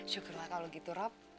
syukurlah kalau gitu rob